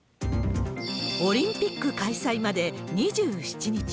オリンピック開催まで２７日。